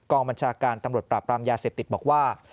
บัญชาการตำรวจปราบรามยาเสพติดบอกว่า